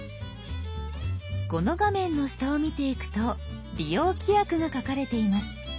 この画面の下を見ていくと「利用規約」が書かれています。